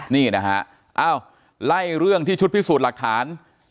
นี่นะฮะอ้าวไล่เรื่องที่ชุดพิสูจน์หลักฐาน